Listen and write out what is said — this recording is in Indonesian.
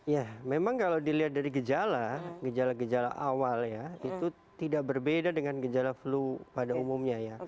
ya memang kalau dilihat dari gejala gejala awal ya itu tidak berbeda dengan gejala flu pada umumnya ya